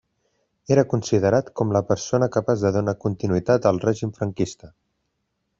Era considerat com la persona capaç de donar continuïtat al règim franquista.